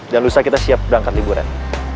dan lusa kita siap berangkat liburan